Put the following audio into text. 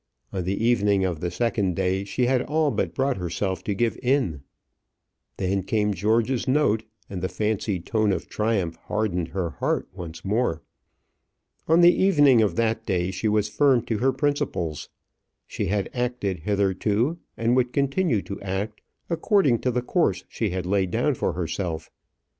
On the evening of the second day she had all but brought herself to give in. Then came George's note, and the fancied tone of triumph hardened her heart once more. On the evening of that day she was firm to her principles. She had acted hitherto, and would continue to act, according to the course she had laid down for herself.